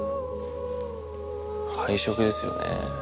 配色ですよね。